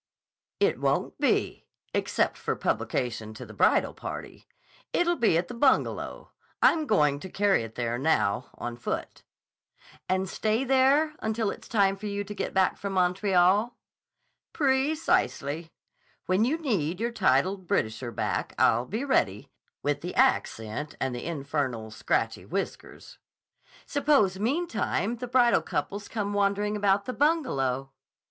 "It won't be, except for publication to the bridal party. It'll be at the Bungalow. I'm going to carry it there now, on foot." "And stay there until it's time for you to get back from Montreal?" "Precisely. When you need your titled Britisher back, I'll be ready, with the accent and the infernal, scratchy whiskers." "Suppose, meantime, the bridal couples come wandering about the Bungalow?"